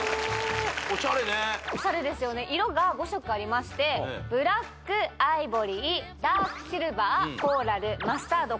オシャレねオシャレですよね色が５色ありましてブラックアイボリーダークシルバーコーラルマスタード